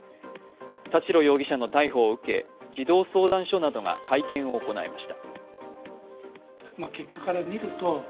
田代容疑者の逮捕を受け児童相談所などが会見を行いました。